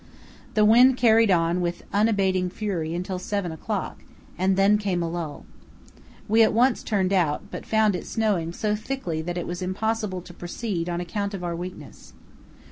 The wind carried on with unabating fury until 7 o'clock, and then came a lull. We at once turned out, but found it snowing so thickly that it was impossible to proceed on account of our weakness.